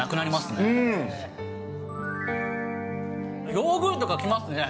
ヨーグルトがきますね。